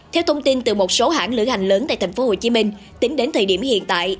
theo thông tin từ một số hãng lửa hành lớn tại tp hcm tính đến thời điểm hiện tại